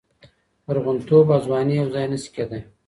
لرغونتوب او ځواني یو ځای نشي کېدای.